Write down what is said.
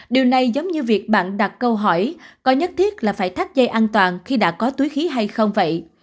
điều này giống như việc bạn đặt câu hỏi có nhất thiết là phải thắt dây an toàn khi đã có túi khí hay không vậy